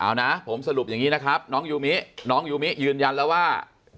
เอานะผมสรุปอย่างนี้นะครับน้องยูมิน้องยูมิยืนยันแล้วว่า